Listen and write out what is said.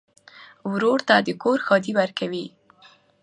ورور ته د کور ښادي ورکوې.